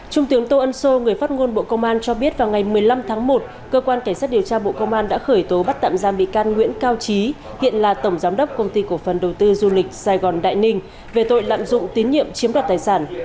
trung tướng tô ân sô người phát ngôn bộ công an cho biết vào ngày một mươi năm tháng một cơ quan cảnh sát điều tra bộ công an đã khởi tố bắt tạm giam bị can nguyễn cao trí hiện là tổng giám đốc công ty cổ phần đầu tư du lịch sài gòn đại ninh về tội lạm dụng tín nhiệm chiếm đoạt tài sản